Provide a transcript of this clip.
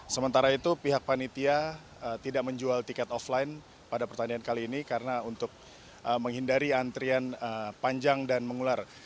sementara itu pihak panitia tidak menjual tiket offline pada pertandingan kali ini karena untuk menghindari antrian panjang dan mengular